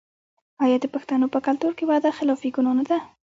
آیا د پښتنو په کلتور کې وعده خلافي ګناه نه ده؟